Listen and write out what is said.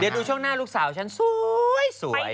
เดี๋ยวดูช่วงหน้าลูกสาวฉันสวย